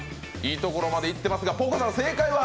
いいところまでいってますが、正解は？